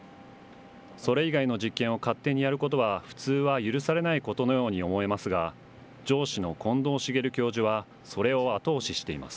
それ以外の実験を勝手にやることは普通は許されないことのように思えますが、上司の近藤滋教授は、それを後押ししています。